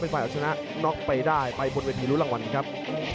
ฝ่ายเอาชนะน็อกไปได้ไปบนเวทีรู้รางวัลครับ